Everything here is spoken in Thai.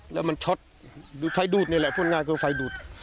แล้วช็อตไฟดูดนี่แหละพูดง่ายคือไฟดูด